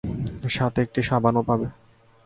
সাথে একটা সাবানও পাবে।